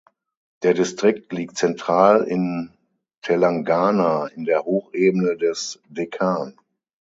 Der Distrikt liegt zentral in Telangana in der Hochebene des Dekkan.